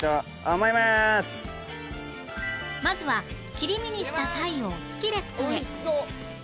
まずは切り身にしたタイをスキレットへ